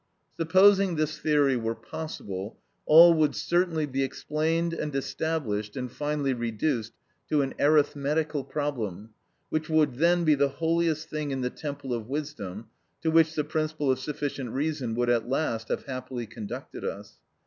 Supposing this theory were possible, all would certainly be explained and established and finally reduced to an arithmetical problem, which would then be the holiest thing in the temple of wisdom, to which the principle of sufficient reason would at last have happily conducted us.